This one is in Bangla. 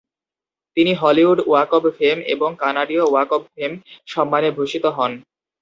তিনি হলিউড ওয়াক অব ফেম ও কানাডীয় ওয়াক অব ফেম সম্মানে ভূষিত হন।